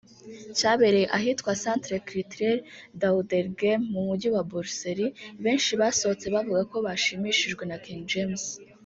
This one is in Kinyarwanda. cyabereye ahitwa Centre Culturel d’Auderghem mu mujyi wa Buruseli benshi basohotse bavuga ko bashimishijwe na King James